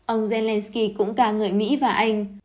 ông zelenskyy cũng ca ngợi mỹ và anh